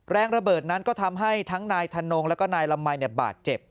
แรงระเบิดนั้นก็ทำให้ทั้งนายธนงแล้วก็นายละมัยบาดเจ็บ